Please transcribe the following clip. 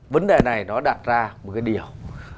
vấn đề này nó đặt ra một cái điều